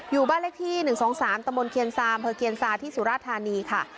อยู่บ้านเลขที่หนึ่งสองสามตะมนต์เคียนซามเพอร์เคียนซาที่สุราธารณีค่ะ